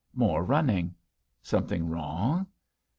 More running. Something wrong?